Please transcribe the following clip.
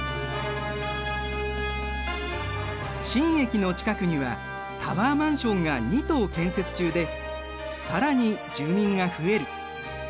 新駅の近くにはタワーマンションが２棟建設中で更に住民が増える。